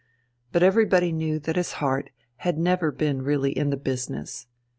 But everybody knew that his heart had never been really in the business.